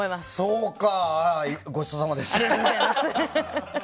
そうか、ごちそうさまです。